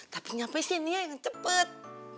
tapi nyampe sini ya yang cepet